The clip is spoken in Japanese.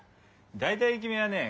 大体君はね